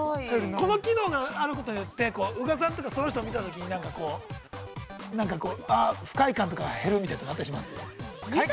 ◆この機能があることによって宇賀さんとか、その人を見たときに、なんかこう、不快感とか、減るみたいなのがあったりします？